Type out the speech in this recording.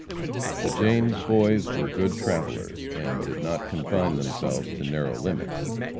The James Boys were good travelers, and did not confine themselves to narrow limits.